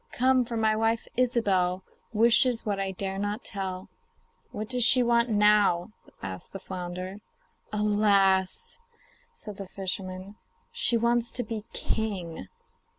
Come! for my wife, Ilsebel, Wishes what I dare not tell.' 'What does she want now?' asked the flounder. 'Alas!' said the fisherman, 'she wants to be king.